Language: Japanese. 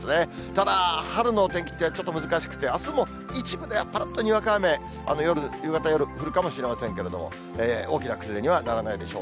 ただ、春の天気っていうのは、ちょっと難しくて、あすも一部でぱらっとにわか雨、夕方、夜、降るかもしれませんけれども、大きな崩れにはならないでしょう。